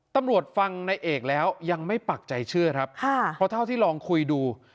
ตำรวจฟังในเอกแล้วยังไม่ปักใจเชื่อครับค่ะเพราะเท่าที่ลองคุยดู